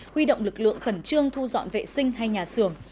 huy động lực lượng khẩn trương thu dọn vệ sinh hay nhà xưởng